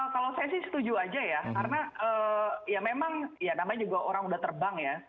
kalau saya sih setuju aja ya karena ya memang ya namanya juga orang udah terbang ya